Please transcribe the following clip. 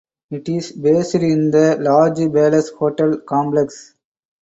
It is based in the large Palace Hotel complex.